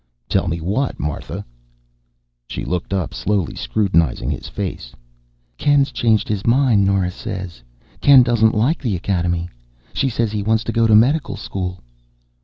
"Tell me what, Martha?" She looked up slowly, scrutinizing his face. "Ken's changed his mind, Nora says. Ken doesn't like the academy. She says he wants to go to medical school."